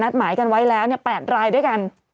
หมายกันไว้แล้ว๘รายด้วยกัน